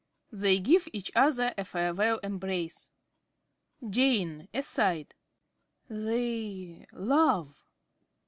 (They give each other a farewell embrace.) ~Jane~ (aside). They love.